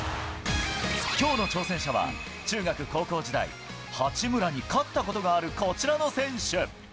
きょうの挑戦者は中学、高校時代、八村に勝ったことがあるこちらの選手。